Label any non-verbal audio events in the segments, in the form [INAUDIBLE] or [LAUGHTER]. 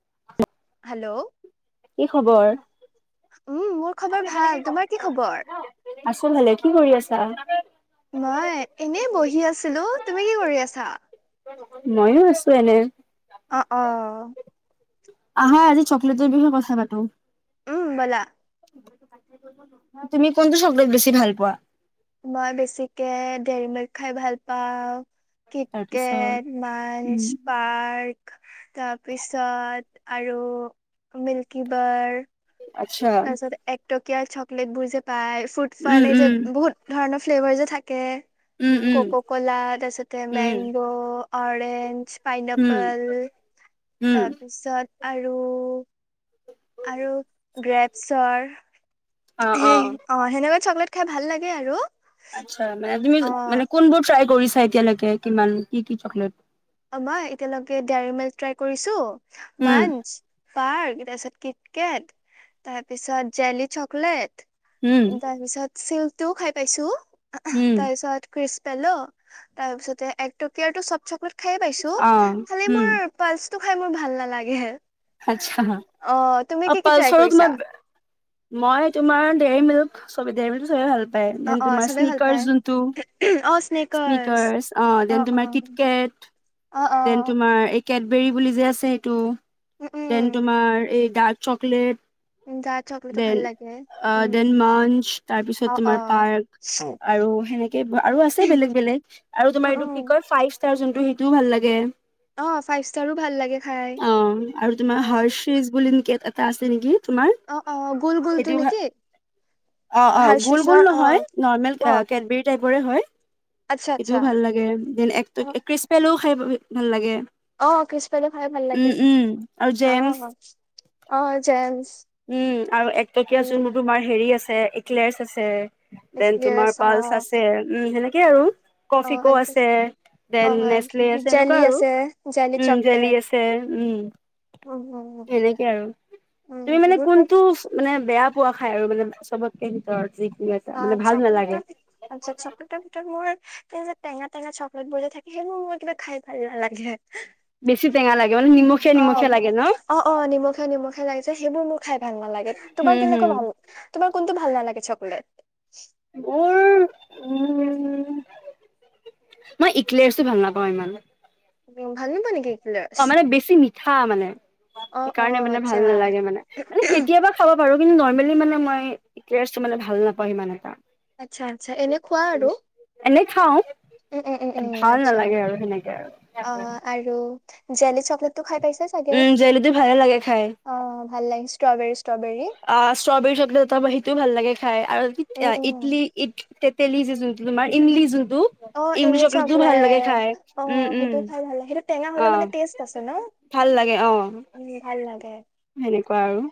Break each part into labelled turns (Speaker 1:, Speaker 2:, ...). Speaker 1: [UNINTELLIGIBLE]
Speaker 2: Hello
Speaker 1: কি খবৰ?
Speaker 2: উম মোৰ খবৰ ভাল তোমাৰ কি খবৰ
Speaker 1: আছো ভালে। কি কৰি আছা? [UNINTELLIGIBLE]
Speaker 2: মই এনেই বহি আছিলো। তুমি কি কৰি আছা?
Speaker 1: ময়ো আছো এনে।
Speaker 2: অ অ
Speaker 1: আহা আজি চকলেটৰ বিষয়ে কথা পাাতো।
Speaker 2: উম বলা।
Speaker 1: তুমি কোনটো চকলেট বেছি ভাল পোৱা?
Speaker 2: মই বেছিকে দেৰিমিল্ক খাই ভাল পাওঁ।
Speaker 1: তাৰপিছত
Speaker 2: কিটকেট, মানছ,
Speaker 1: উম।
Speaker 2: পাৰ্ক। তাৰপিছত আৰু মিল্কী বাৰ।
Speaker 1: আচ্ছা।
Speaker 2: তাৰ পিছত একট কিয় চকলেট বোৰ যে পায় ফ্ৰুট
Speaker 1: উম,
Speaker 2: ফাল এই যে
Speaker 1: উম।
Speaker 2: বহুত ধৰণৰ ফ্লেভাৰ যে থাকে
Speaker 1: উম, উম,
Speaker 2: কক কলা তাৰপিছতে
Speaker 1: উম,
Speaker 2: মেংগ। অৰেঞ্জ, পাইন
Speaker 1: উম,
Speaker 2: এপেল
Speaker 1: উম,
Speaker 2: তাৰপিছত আৰু আৰু গ্ৰেপছৰ হে অ সেনেকে চকলেট খাই ভাল লাগে আৰু।
Speaker 1: আচ্ছা মানে
Speaker 2: অ
Speaker 1: তুমি কোনবোৰ টাইপ কৰি চাই এতিয়ালাগে কিমান কি-কি চকলেট।
Speaker 2: আমাৰ এতিয়ালৈকে ডৰী মিল্ক ট্ৰাই কৰিছো।
Speaker 1: উম,
Speaker 2: মাঞ্চ পাৰ্ক তাৰপিছত কিট কেট তাৰপিছত জেলি চকলেট।
Speaker 1: উম,
Speaker 2: তাৰপিছত চিলটোও খাই পাইছো।
Speaker 1: উম,
Speaker 2: তাৰপিছত পেল তাৰপিছতে এক টকিয়টো সব চকলেট। খাই পাইছো
Speaker 1: অ',
Speaker 2: খালি
Speaker 1: উম,
Speaker 2: মোৰ পালছ টো খাই মোৰ ভাল নালাগে।
Speaker 1: আচ্ছা
Speaker 2: অ তুমি
Speaker 1: অ
Speaker 2: কি কি ট্ৰাই
Speaker 1: পালছৰ
Speaker 2: কৰিছা
Speaker 1: তোমাৰ মই তোমাৰ। দেৰি মিলক চবে দেৰি মিল চবেই ভাল। পায়
Speaker 2: অ
Speaker 1: ডেন
Speaker 2: অ
Speaker 1: তোমাৰ
Speaker 2: চবে ভাল
Speaker 1: স্নিকাৰ
Speaker 2: পায়
Speaker 1: জোনটো
Speaker 2: অ স্নেকাৰ্চ
Speaker 1: স্নিকাঁৰ,
Speaker 2: অ
Speaker 1: ডেন তোমাৰ
Speaker 2: অ
Speaker 1: তিক কেত,
Speaker 2: অ অ
Speaker 1: ডেন তোমাৰ কেটবেৰী বুলি যে আছে সেইটো। দেন
Speaker 2: উম
Speaker 1: তোমাৰ এই ডাৰ্ক চকলেট।
Speaker 2: উম ডাৰ্ক চকলেটটো ভাল লাগে
Speaker 1: দেন-দেন
Speaker 2: উম
Speaker 1: মাঞ্চ তাৰপিছত
Speaker 2: অ অ
Speaker 1: তোমাৰ পাৰ্ক আৰু সেনেকে আৰু আছে বেলেগ-বেলেগ আৰু
Speaker 2: উম
Speaker 1: তোমাৰ এইটো
Speaker 2: উম
Speaker 1: কি কয় ফাইভ তাৰ যোনটো সেইটোও ভাল লাগে।
Speaker 2: অ ফাইভ ষ্টাৰো ভাল লাগে খাই
Speaker 1: অ আৰু তোমাৰ
Speaker 2: অ
Speaker 1: হাৰচিছ বুলি এনে এটা আছে নেকি? তোমাৰ
Speaker 2: অ অ গোল গোলটো
Speaker 1: সেইটোও ভাল
Speaker 2: নেকি
Speaker 1: অ, -অ, গোল-গোল
Speaker 2: হাৰ্চিচৰ অ
Speaker 1: নহয় নৰ্মেল
Speaker 2: অ
Speaker 1: কেটবেৰী টাইপৰে হয়।
Speaker 2: আচ্ছা আচ্ছা
Speaker 1: সেইটোও ভাল লাগে দেন এক ট ক্ৰিচপেলো খাই ভাল লাগে।
Speaker 2: অঁ, ক্ৰিছপেলো খাই ভাল লাগে। অ
Speaker 1: জেমছ
Speaker 2: অ জেমছ
Speaker 1: আৰু একটকীয়া
Speaker 2: উম
Speaker 1: যোনটো বাৰ হেৰি আছে একলেৰছ আছে। দেন তোমাৰ
Speaker 2: এক্লিয়াৰ্চ অ
Speaker 1: পালচ আছে উম, সেনেকেই আৰু
Speaker 2: অ
Speaker 1: কফিকো আছে
Speaker 2: অ
Speaker 1: দেন নেচলে আছে।
Speaker 2: জেলি
Speaker 1: এনেকুৱা আৰু
Speaker 2: আছে জেলি
Speaker 1: উম' জেলি
Speaker 2: চকলেট
Speaker 1: আছে উম।
Speaker 2: উম উম
Speaker 1: সেনেকে আৰু
Speaker 2: উম
Speaker 1: তুমি মানে
Speaker 2: সেইবোৰ খাই
Speaker 1: কোনটো মানে বেয়া পোৱা খায় আৰু মানে চবতকে ভিতৰত। যিকোনো এটা
Speaker 2: আহ
Speaker 1: মানে ভাল নালাগে
Speaker 2: চকলেটত আচ্ছা চকলেটৰ ভিতৰত মোৰ এই যে টেঙা টেঙা চকলেট বোৰহে থাকে ন মোৰ কিবা খাই ভাল নালাগে।
Speaker 1: বেছি টেঙা লা
Speaker 2: অ', অ', অ', নিমখিয়া নিমখিয়া লাগিছে সেইবোৰ মোৰ খাই ভাল নালাগে
Speaker 1: হুম
Speaker 2: তোমাৰ
Speaker 1: হুম
Speaker 2: কেনেকুৱা ভাল তোমাৰ কোনটো? ভাল নালাগে চকলেট।
Speaker 1: মোৰ উ মই ইক্লেইৰাচো ভাল নাপাওঁ ইমান।
Speaker 2: ভালনোপোৱা নেকি? এগিলাচ
Speaker 1: অ' মানে বেছি মি হা মানে
Speaker 2: অ অ
Speaker 1: সেইকাৰণে মানে
Speaker 2: আচ্ছা
Speaker 1: ভাল নালাগে মানে মানে কেতিয়াবা খাব পাৰো। নৰ্মেলি মানে মই [UNINTELLIGIBLE] মানে ভাল নাপাওঁ ইমান এটা।
Speaker 2: আচ্ছা আচ্ছা এনে খোৱা আৰু।
Speaker 1: এনে খাওঁ।
Speaker 2: উম উম উম উম
Speaker 1: ভাল
Speaker 2: আচ্ছা
Speaker 1: নালাগে আৰু সেনেকে আৰু।
Speaker 2: Jelly chocolate. খাই পাইছা চাগে,
Speaker 1: উম জেলটো ভালে লাগে খাই
Speaker 2: অ', ভাল লাগে ষ্ট্ৰবেৰী ষ্ট্ৰবেৰী।
Speaker 1: অ' ষ্ট্ৰবেৰী চকলেট এটা ম সেইটোও ভাল লাগে খাই আৰু
Speaker 2: উম উম
Speaker 1: ইডলি ই। তেতেলি যে যোনটো তোমাৰ ইমলি যোনটো
Speaker 2: অ'
Speaker 1: ইমলি
Speaker 2: ইমলী
Speaker 1: চকলেটটো ভাল লাগে
Speaker 2: চকলেট
Speaker 1: খাই
Speaker 2: অ'
Speaker 1: উম উম
Speaker 2: সেইটো খাই ভাল লাগে সেইটো টেঙা হলে
Speaker 1: অ
Speaker 2: মানে টেষ্ট আছে ন
Speaker 1: ভাল লাগে অ
Speaker 2: উম ভাল লাগে।
Speaker 1: সেনেকুৱা আৰু।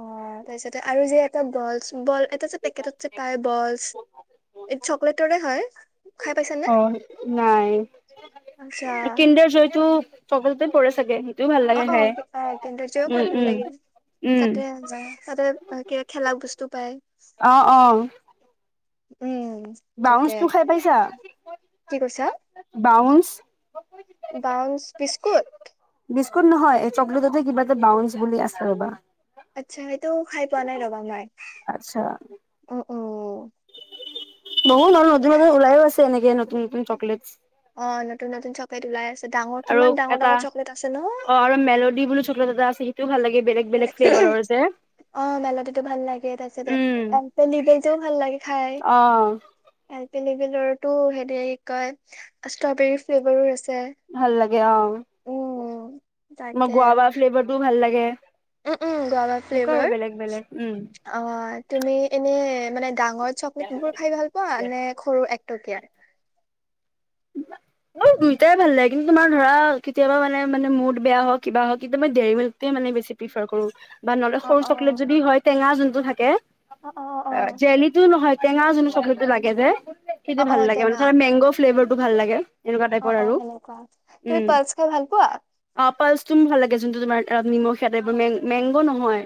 Speaker 2: অ' তাৰিছতে আৰু যে এটা বলছ বল। পেটত পায় বছ এইটো চকলেটৰে হয়। খাই পাইছানে
Speaker 1: অ' নাই
Speaker 2: আচ্ছা
Speaker 1: কিনডাৰ জয়টো। চকলেতত পৰে চাগে। সেইটোও ভাল লাগে
Speaker 2: অ',
Speaker 1: খাই
Speaker 2: অ' কিনডাৰ জয়ও
Speaker 1: উম
Speaker 2: খাই ভাল
Speaker 1: উম
Speaker 2: লাগিল
Speaker 1: উম
Speaker 2: তাতে ততে কিবা খেলা বস্তু পায়।
Speaker 1: অ', অ'।
Speaker 2: উম।
Speaker 1: বাউন্চ
Speaker 2: তাকে
Speaker 1: টো খাই পাইছা,
Speaker 2: কি কৈছা
Speaker 1: বাউ [UNINTELLIGIBLE]
Speaker 2: বাউন্স বিস্কুট।
Speaker 1: বিস্কুট নহয় চকলেটতে কিবা এটাউ বুলি আছে ৰ'বা।
Speaker 2: আচ্ছা সেইটো খাই পোৱা নাই ৰবা মাই
Speaker 1: আচ্ছা
Speaker 2: উম ', - উম ',
Speaker 1: বহুত নতুনত ওলাইও আছে এনেকে। য়ে নতুন - নতুন চকলেটচ
Speaker 2: অহ ', নতুন - নতুন চকত ওলাই আছে। ডাঙৰ
Speaker 1: আৰু
Speaker 2: কিমান ডাঙৰ
Speaker 1: এটা
Speaker 2: ডাঙৰ চকলেট আছে ন
Speaker 1: অ ', আৰু মেলোডি বুলিো চকত এটা আছে। তো ভাল লাগে। বেলেগ বেলেগ ফ্লেভাৰৰ
Speaker 2: [UNINTELLIGIBLE]
Speaker 1: যে।
Speaker 2: [UNINTELLIGIBLE] অহ ', মেলডিটো ভাল লাগে তাৰপিছতে
Speaker 1: উম
Speaker 2: এলপেলিবটো ভাল লাগে খাই।
Speaker 1: অ
Speaker 2: তেনে ভিতৰতো হেৰি কয় ষ্ট্ৰবেৰি ফ্লেভাৰো আছে।
Speaker 1: ভাল লাগে অহ ',
Speaker 2: উম
Speaker 1: তোমাৰ
Speaker 2: তাকে
Speaker 1: গোৱাবাৰ ফ্লেভাৰ টোও ভাল লাগে।
Speaker 2: উম', - উম', গৌবা
Speaker 1: এনেকুৱা আৰু
Speaker 2: ফ্লেভাৰ
Speaker 1: বেলেগ বেলেগ উম।
Speaker 2: অহ ', তুমি এনে? মানে? ডাঙৰ চকলেট বোৰ খাই ভাল পোৱা নে সৰু। টকিয়া।
Speaker 1: অহ ', দুইটাই ভাল লাগে কিন্তু তোমাৰ ধৰা কেতিয়াবা মানে মানে মুড বেয়া হওক কিবা হওক কিন্তু মই দেৰিবিলে মানে বেছি প্ৰিফাৰ কৰো। বা নহ'লে
Speaker 2: অ
Speaker 1: সৰু
Speaker 2: অ
Speaker 1: চকলেট যদি হয় টেঙা জুন টো থাকে।
Speaker 2: অ অ অ
Speaker 1: যেলিটো নহয়। টেঙা যন চবলটো লাগে যে। দেখি
Speaker 2: অ অ
Speaker 1: ভাল লাগে
Speaker 2: টেঙা
Speaker 1: মানোৰ মংগ ফ্লেভাৰটো। টো ভাল লাগে। এনেকুৱা
Speaker 2: অ
Speaker 1: টাইপৰ
Speaker 2: অ
Speaker 1: আৰু
Speaker 2: সেনেকুৱা তুমি পালচ খাই ভাল পোৱা
Speaker 1: আপালচটো ভাল লাগে যোনটো তোমাৰ। তপ নিমখ ইতে এইবোৰ মেং- মেংগ নহয়।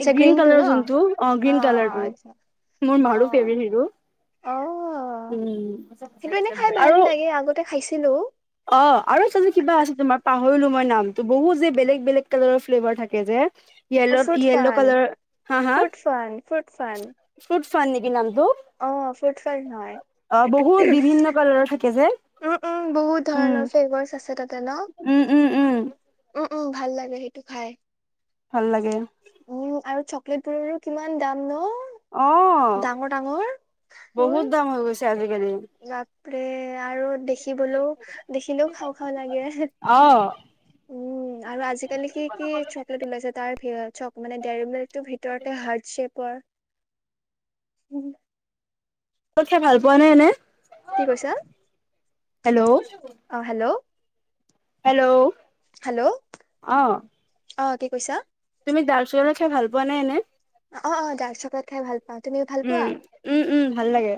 Speaker 1: এই গ্ৰীণ
Speaker 2: গ্ৰীণটো
Speaker 1: কালাৰৰ
Speaker 2: ন
Speaker 1: যোনটো অহ ',
Speaker 2: অ অ
Speaker 1: গ্ৰীণ কালাৰটো
Speaker 2: আচ্ছা
Speaker 1: মোৰ
Speaker 2: অ
Speaker 1: মাৰো ফেভট হিৰো
Speaker 2: অ
Speaker 1: উম
Speaker 2: সেইটো এনে খাই
Speaker 1: ',
Speaker 2: ভাল
Speaker 1: আৰু
Speaker 2: লাগে আগতে খাইছিলো
Speaker 1: অহ ', আৰু চ যে কিবা আছে তোমাৰ পাহ লো মই নামত বহুত যে বেলেগ - বেলেগ কালাৰৰ ফ্লেভাৰ থাকে যে।
Speaker 2: অ',
Speaker 1: yellow -
Speaker 2: fruit
Speaker 1: yellow
Speaker 2: fun,
Speaker 1: colour হা - হা
Speaker 2: ফ্ৰুট ফান,
Speaker 1: ফ ফান নেকি নাম?
Speaker 2: অহ ', ফুডফান হয়।
Speaker 1: অ বহুত বিভিন্ন কালাৰৰ থাকে যে
Speaker 2: উম- উম বহুত
Speaker 1: উম
Speaker 2: ধৰণৰ ফেভাৰছ আছে তাতে ন
Speaker 1: উম উম
Speaker 2: উম ', উম ', ভাল লাগে সেইটো খাই।
Speaker 1: ভাল লাগে
Speaker 2: প্লেটবোৰৰো কিমান দাম নো
Speaker 1: অ বহুত দাম হৈ গৈছে আজি [UNINTELLIGIBLE]
Speaker 2: পে আৰু দেখিবলৈও দেখিলেও খাওঁ খাওঁ লাগে
Speaker 1: অ',
Speaker 2: উম, আৰু আজিকালি সি কি চকলেট ওলাইছে তাৰ চক মানে ডেৰিমিল্ক টো ভিতৰতে হাৰ্ড চেপৰ উম
Speaker 1: তত খাই ভাল পোৱা নাইনে
Speaker 2: কি কৈছা
Speaker 1: হেল্ল',
Speaker 2: অ হেল্ল'
Speaker 1: হেল্ল'
Speaker 2: হেল্ল'
Speaker 1: অ
Speaker 2: অ কি কৈছা
Speaker 1: তুমি দাক চকলেট খাই ভাল পোৱা নে এনে
Speaker 2: অ অ দাক চকলেট খাই ভাল প
Speaker 1: উম উম উম ভাল লাগে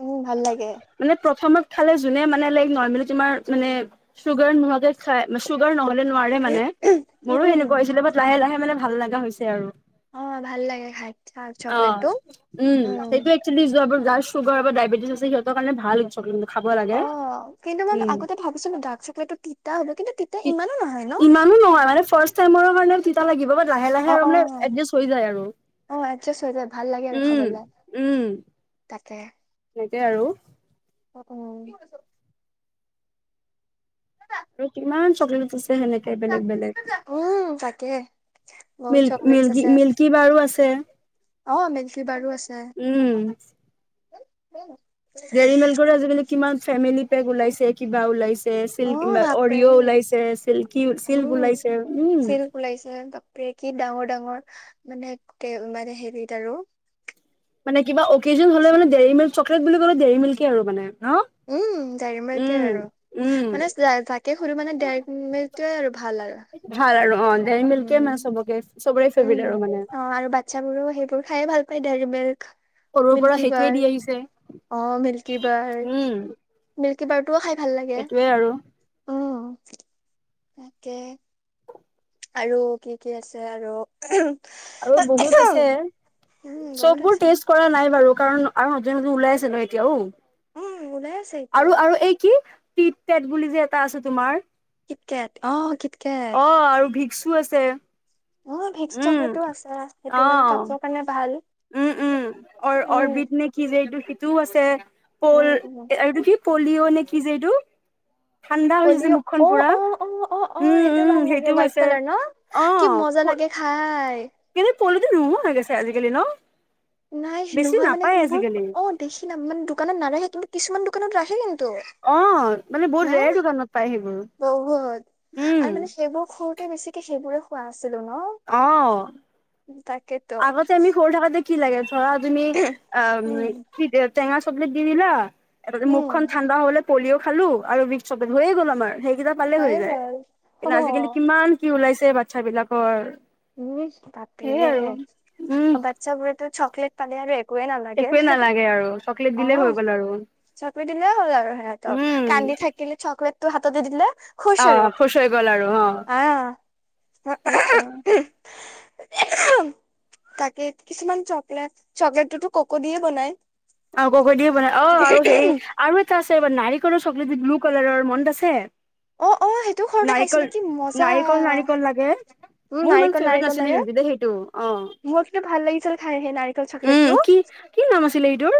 Speaker 2: উম, ভাল লাগে।
Speaker 1: মানে প্ৰথমত হ'লেও যোনে মানে নৰমেল তোমাৰ চুগাৰ নোহোৱাকৈ খায় নহ'লে নোৱাৰে মানে
Speaker 2: উম
Speaker 1: মোৰো
Speaker 2: উম
Speaker 1: হেনেুৱা হৈছিলে বাট লাহে লাহে মানে ভাল লগা হৈছে আৰু
Speaker 2: অ ভাল লাগে খাই
Speaker 1: অ',
Speaker 2: চকলেটটো
Speaker 1: উম সেইটো এক্চেলি [UNINTELLIGIBLE] যাৰ চুগাৰ বা ডায়বেটছ আছে সিহঁতৰ কাৰণ ভাল খাব
Speaker 2: অ
Speaker 1: লাগে।
Speaker 2: কিন্তু মই
Speaker 1: উম,
Speaker 2: আগতে ভাবিছো ডাৰ্ক চকলেটটো তিতা কিন্তু তিতা ইমানো নহয় ন
Speaker 1: ইমানো নহয় মানে ফাষ্ট টাইমৰ কাৰণে তিতা লাগিব লাহে লাহে
Speaker 2: অ
Speaker 1: আৰু
Speaker 2: অ
Speaker 1: মানে এডজাষ্ট হৈ যায় আৰু
Speaker 2: অ এডজাষ্ট হৈ যায় ভাল লাগে আৰু খাবলে
Speaker 1: উম উম
Speaker 2: তাকে
Speaker 1: [UNINTELLIGIBLE] আৰু
Speaker 2: অ [UNINTELLIGIBLE]
Speaker 1: আৰু কিমান চকলেট আছে সেনেকে বেলেগ বেলেগ
Speaker 2: উম তাকে বহুত
Speaker 1: মিল
Speaker 2: চকলেটছ
Speaker 1: মিল
Speaker 2: আছে
Speaker 1: মিল্কী বাৰো আছে
Speaker 2: অ মিল্কী বাৰো
Speaker 1: উম
Speaker 2: উম
Speaker 1: দেৰিমিল্কৰ আজিকালি কিমান ফেমিলি পেক ওলাইছে কিবা ওলাইছে
Speaker 2: অ
Speaker 1: চিল্ক
Speaker 2: বাপৰে
Speaker 1: অৰিঅ ওলাইছে চিল্কি চিল্ক
Speaker 2: উম
Speaker 1: ওলাইছে উম।
Speaker 2: চিল্ক ওলাইছে বাপৰে কি ডাঙৰ ডাঙৰ মানে মানে হেৰিত আৰু।
Speaker 1: মানে কিবা অকেজন হ'লে মানে দেৰি মিল্ক চকলেট বুলি ক'লে দেৰি মিল্কে আৰু মানে। ন?
Speaker 2: উম ডেৰিমিল্ক য়ে
Speaker 1: উম,
Speaker 2: আৰু
Speaker 1: উম।
Speaker 2: মানে যাকে সুধো মানে ডেৰিমিল্কটোৱে আৰু ভাল আৰু
Speaker 1: ভাল আৰু অ' ডেৰি মিল্কে মানে
Speaker 2: উম
Speaker 1: চবকে চবৰে ফেভৰেট
Speaker 2: উম
Speaker 1: আৰু মানে।
Speaker 2: অ' আৰু বাচ্ছাবোৰও সেইবোৰ খাই ভাল পাই। ডেৰিমিল্ক।
Speaker 1: সৰুৰ পৰা
Speaker 2: মিল্কী
Speaker 1: সেইটোৱে দি
Speaker 2: বাৰ।
Speaker 1: আহিছে।
Speaker 2: অ' মিল্কী বাৰ
Speaker 1: উম,
Speaker 2: ম কিবা খাই ভাল লাগে
Speaker 1: সেইটোয়ে আৰু,
Speaker 2: উম। তাকে আৰু কি কি আছে আৰু।
Speaker 1: আৰু বহুত আছে
Speaker 2: উম
Speaker 1: চব
Speaker 2: বহুত
Speaker 1: বোৰ
Speaker 2: আছে
Speaker 1: টেষ্ট কৰা নাই বাৰু। কাৰণ আৰু মাজে মাজে ওলাই আছে ন এতিয়াও।
Speaker 2: উম ওলাই আছে এতিয়াও
Speaker 1: আৰু আৰু এই কি? [UNINTELLIGIBLE] বুলি যে এটা আছে তোমাৰ।
Speaker 2: কিতকেট অহ কিতকেট।
Speaker 1: চো আছে।
Speaker 2: অ' ভিক্চ
Speaker 1: উম,
Speaker 2: চকলেটো আছে। সেইটো মানে
Speaker 1: অ'
Speaker 2: কফৰ কাৰণে ভা ভাল।
Speaker 1: উম উম অ'
Speaker 2: উম
Speaker 1: অৰবিত নে কি যে এইটো শ তু আছে। পল
Speaker 2: উম
Speaker 1: এইটো
Speaker 2: উম
Speaker 1: কি পলিঅ' নে কি যে এইটো। ঠাণ্ডা হৈছে যে
Speaker 2: পলিঅ'
Speaker 1: মুখখন
Speaker 2: অ',
Speaker 1: পুৰা,
Speaker 2: অ', অ', অ'
Speaker 1: উম,
Speaker 2: সেইটো
Speaker 1: উম
Speaker 2: ভাল লাগে
Speaker 1: সেইটোও
Speaker 2: হোৱাইট
Speaker 1: আছে।
Speaker 2: কালাৰ ন কি মজা
Speaker 1: অ'
Speaker 2: লাগে খাই।
Speaker 1: কিন্তু পলিঅটো নোহোৱা হৈ গৈছে আজিকালি ন।
Speaker 2: নাই
Speaker 1: বেছি
Speaker 2: নোহোৱা মানে
Speaker 1: নাপায়
Speaker 2: কি হ'ল
Speaker 1: আজিকালি।
Speaker 2: অ' দেখি নাম মানে দোকানত নাৰখে কিছুমান দান [UNINTELLIGIBLE] তু
Speaker 1: অ', মানে বহুত
Speaker 2: ন
Speaker 1: ৰেয়াৰ দোকানত পায় সেইবোৰ,
Speaker 2: বহুত
Speaker 1: উম,
Speaker 2: আৰু মানে সেইবোৰ খু সে বেছিকে সেইবোৰে খোৱা আছে ছিলো
Speaker 1: অ',
Speaker 2: ন তাকে।
Speaker 1: আগতে আমি সৰু থাকোতে। কি লাগে? অ', তুমি অম,
Speaker 2: উম
Speaker 1: ' কি দেব টেঙা চকলেট দি দিলা। এটা দি
Speaker 2: উম
Speaker 1: মুখখন ঠাণ্ডা হ'লে, পলিঅ' খালো আৰু এবিধ চকলেট হৈয়ে গ'ল আমাৰ হেই, কিতাপ পালে হৈ যায়
Speaker 2: অ
Speaker 1: কিন্তু আজিকালি কিমান কি ওলাইচে। ছে বাচ্ছা বিলাকৰ,
Speaker 2: উম,
Speaker 1: সেইয়ে আৰু।
Speaker 2: পাপিৰেটছ।
Speaker 1: উম,
Speaker 2: অ, ' বাচ্চাবোৰে টো চকলেট পালে আৰু একো, একোৱে নালাগে
Speaker 1: একোৱে
Speaker 2: হেএ,
Speaker 1: নালাগে আৰু চকলেট দিলেই হৈ
Speaker 2: অ',
Speaker 1: গ'ল আৰু
Speaker 2: চকলেট দিলে হ'ল আৰু সিহঁতক
Speaker 1: উম,
Speaker 2: কান্দি থাকিলে চকলেট, তোৰ হাতত দি দিলে? খুচ আৰু
Speaker 1: অ', খুচ হৈ গল আৰু অ, '
Speaker 2: আহ তাকে কিছুমান চকলেট- চকলেটটোতো ককো দিয়ে বনাই।
Speaker 1: অ, ' ককো দি বনাই অহ, 'আৰু হেৰি আৰু এটা আছে নাৰিকলৰ চকলেট লো, ' কালাৰৰ মনত আছে?
Speaker 2: অ অ সেইটো ঘৰতে খাইছিলো
Speaker 1: নাৰিকল,
Speaker 2: কি মজা
Speaker 1: নাৰিকল -নাৰিকল লাগে
Speaker 2: উম
Speaker 1: মোৰ ইমান
Speaker 2: নাৰিকল
Speaker 1: ফেভাৰেট
Speaker 2: নাৰিকল
Speaker 1: নাছিলে
Speaker 2: লাগে
Speaker 1: কিন্তু দেই সেইটো। অহ',
Speaker 2: ছিল খায়। সেই নাৰিকল চকলেটো,
Speaker 1: নাম আছিলে এইটোৰ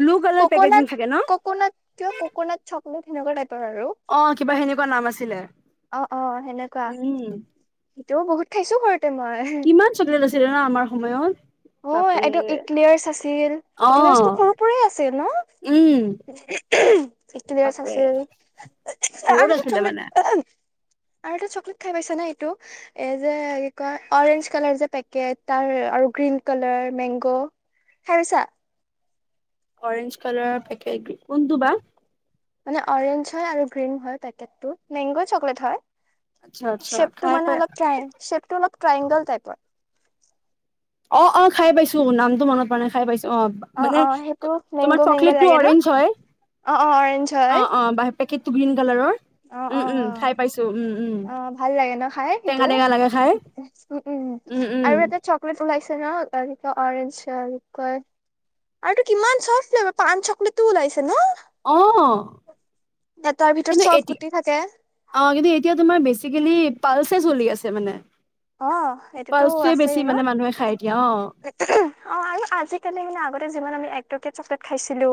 Speaker 1: ব্লু কালাৰ পেকেজিং
Speaker 2: ককনাট-
Speaker 1: থাকে ন
Speaker 2: ককনাট কিয় ককনাট চক, এই তেনেকোৱা টাইপ।
Speaker 1: অ ', কিবা সেনেকুৱা নাম আছিলে।
Speaker 2: অ ', -অ, ' সেনেকুৱা।
Speaker 1: উম
Speaker 2: সেটোও বহুত খাইছো সৰুত। এইটো মই
Speaker 1: কিমান চকলেট আছিলে ন আমাৰ সময়ত
Speaker 2: অ ',
Speaker 1: বাপৰে
Speaker 2: এইটো ইক্লেয়াৰ্চ আছিল
Speaker 1: অ
Speaker 2: ইক্লেয়াৰ্চটো সৰুৰ পৰাই আছিল ন',?
Speaker 1: উম
Speaker 2: এইটো গেছ
Speaker 1: বাপৰে
Speaker 2: আছিল, আৰু
Speaker 1: বহুত
Speaker 2: এটা
Speaker 1: আছিলে মানে
Speaker 2: চকলেট আৰু এটা চকলেট খাই পাইছা নে? এইটো এইযে কি- কয় অৰেঞ্জ কালৰ যে পেকেট তাৰ আৰু গ্ৰীণ কালাৰ মেংগ, খাই পাইছা?
Speaker 1: অৰেঞ্জ কালাৰৰ পেকেট কোনটো বা?
Speaker 2: মানে অৰেঞ্জ হয় আৰু গ্ৰীণ হয় পেকেটটো মেংগ চকলেট
Speaker 1: আচ্ছা
Speaker 2: হয়।
Speaker 1: আচ্ছা
Speaker 2: শ্বেপটো
Speaker 1: খাই
Speaker 2: মানে
Speaker 1: পাই
Speaker 2: অলপ ট্ৰাই, শ্বেপটো অলপ ট্ৰাইংগেল টাইপৰ।
Speaker 1: অ', - অ ', খাই পাইছো নামটো মনত পৰা নাই খাই পাইছো। অ ', মানে
Speaker 2: অ সেইটো
Speaker 1: তোমাৰ
Speaker 2: মেংগ' মেংগ'
Speaker 1: চকলেটটো
Speaker 2: লাগে ন
Speaker 1: অৰেঞ্জ হয়।
Speaker 2: অ অ অৰেঞ্জ হয়
Speaker 1: অহ, ' অহ বাহিৰ, [UNINTELLIGIBLE] কালাৰৰ।
Speaker 2: অ
Speaker 1: উম,
Speaker 2: অ
Speaker 1: উম।
Speaker 2: অ
Speaker 1: খাই পাইছো। উম। উম
Speaker 2: অ, ভাল লাগে ন খাই
Speaker 1: টেঙা
Speaker 2: সেইটো?
Speaker 1: টেঙা লাগে খাই।
Speaker 2: উ উম, আৰু এটা চকলেট ওলাইছ [UNINTELLIGIBLE] আৰুটো কিমান চখ লৈ পান চকলেটো ওলাইছে। ন
Speaker 1: অ,
Speaker 2: এটাৰ ভিতৰত
Speaker 1: কিন্তু
Speaker 2: চব
Speaker 1: এতিয়া
Speaker 2: গুটি থাকে
Speaker 1: আহ কিন্তু এতিয়া তোমাৰ বেছি আজি কালি পালচে চলি আছে মানে।
Speaker 2: অ, এইটোতো
Speaker 1: পালচটোৱে
Speaker 2: আছেই
Speaker 1: বেছি
Speaker 2: ন?
Speaker 1: মানে মানুহে খাই এতিয়া অ'।
Speaker 2: অ আৰু আজিকালি মানে আগতে যিমান আমি এক কেট চকলেট খাইছিলো।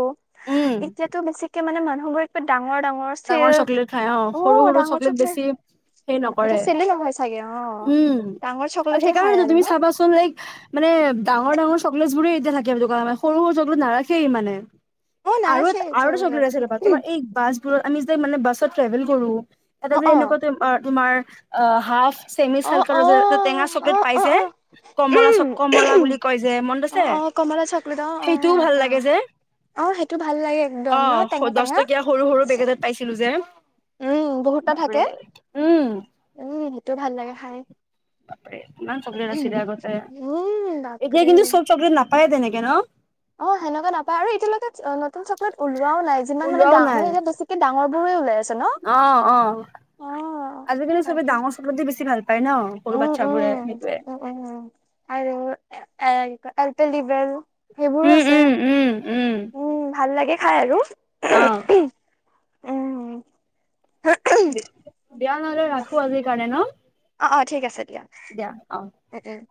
Speaker 1: উম।
Speaker 2: এতিয়াতো বেছি মানে মানুহবোৰ এক ডাঙৰ ডাঙৰ চিল্ক,
Speaker 1: চকলেট খাই
Speaker 2: অ।
Speaker 1: সৰু সৰু
Speaker 2: ডাঙৰ চকলেট
Speaker 1: বেছি
Speaker 2: এতিয়া চেলে নহয় ছাগে অ।
Speaker 1: উ
Speaker 2: ডাঙৰ
Speaker 1: আৰু
Speaker 2: চকলেটে খাই
Speaker 1: সেইকাৰণেতো
Speaker 2: আৰু
Speaker 1: তুমি
Speaker 2: ন
Speaker 1: চাবাচোন লাইক মানে ডাঙৰ ডাঙৰ চকলেট বোৰে এতিয়া থাকে দোকানে সৰু সৰু চকলো নাৰাখেই মানে।
Speaker 2: অ
Speaker 1: এই আৰু
Speaker 2: নাৰাখে
Speaker 1: আৰু এটা চকলেট আছিল তোমাৰ এই বা আমি যে মানে বাছত ট্ৰেভেল কৰো তটা
Speaker 2: অ
Speaker 1: যে
Speaker 2: অ
Speaker 1: এনেকুৱা যে তোমাৰ অ হাফ চেমি
Speaker 2: অ
Speaker 1: চাল
Speaker 2: অ
Speaker 1: টেঙা
Speaker 2: অ
Speaker 1: চকলেট
Speaker 2: অ
Speaker 1: পাইছে
Speaker 2: অ
Speaker 1: কমলা চ
Speaker 2: উম
Speaker 1: কমলা বুলি কয় যে। মন
Speaker 2: অ অ কমলা চকলেট। অ অ অ
Speaker 1: লাগে যে
Speaker 2: অ সেইটো ভাল লাগে একদম
Speaker 1: অ
Speaker 2: ন, টেঙা-টেঙা।
Speaker 1: টো যে
Speaker 2: উম বহুতটা থাকে।
Speaker 1: বাপৰে উম
Speaker 2: উম সেইটোও ভাল লাগে। হয়।
Speaker 1: তাপ ইমান চকলেট আছিলে আগতে।
Speaker 2: উম
Speaker 1: এতিয়া
Speaker 2: বাপৰে
Speaker 1: কিন্তু চব চকলেট নাপা পাই তেনেকে ন?
Speaker 2: অ সেনেকুৱা নাপায় আৰু এতিয়ালৈকে নতুন চকলেট উল যোৱাও নাই যিমান মানে,
Speaker 1: ওলোৱাও নাই
Speaker 2: মানে এতিয়া বেছিকে ডাঙৰ বোৰে ওলাই আছে ন?
Speaker 1: অ অ
Speaker 2: অ,
Speaker 1: আজিকালি চবে
Speaker 2: তাকে।
Speaker 1: ডাঙৰ চকলেটে বেছি ভাল পায় ন সৰু
Speaker 2: উম
Speaker 1: বাচ্ছাবোৰে
Speaker 2: উম
Speaker 1: সেইটোয়ে
Speaker 2: উম উম আৰু এলপেলিপেল সেইবোৰো
Speaker 1: উম
Speaker 2: আছে।
Speaker 1: উম উম
Speaker 2: উম ভাল লাগে। খাই আৰু
Speaker 1: অ
Speaker 2: উম
Speaker 1: দিয়া নহলে ৰাখো আজিৰ কাৰণে ন?
Speaker 2: অ-অ ঠিক আছে দিয়া
Speaker 1: দিয়া অ
Speaker 2: উ-উ